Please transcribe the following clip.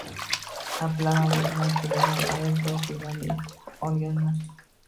Ha, bilaman: bir marta bemor ayol duo qilganda eshitib olganman